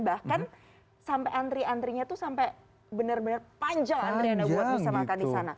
bahkan sampai antri antrinya tuh sampai bener bener panjang buat bisa makan di sana